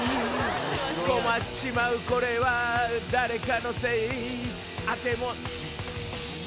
困っちまうこれは誰かのせいあても